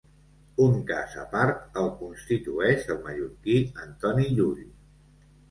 Un cas apart el constitueix el mallorquí Antoni Llull.